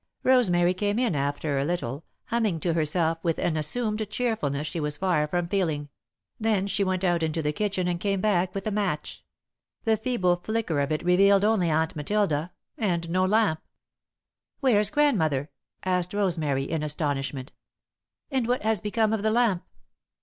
Rosemary came in, after a little, humming to herself with an assumed cheerfulness she was far from feeling. Then she went out into the kitchen and came back with a match. The feeble flicker of it revealed only Aunt Matilda and no lamp. "Where's Grandmother?" asked Rosemary, in astonishment. "And what has become of the lamp?"